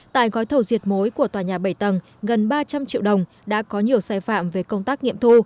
tại gói thầu diệt mối của tòa nhà bảy tầng gần ba trăm linh triệu đồng đã có nhiều sai phạm về công tác nghiệm thu